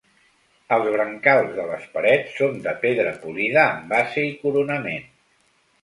Els brancals de les parets són de pedra polida amb base i coronament.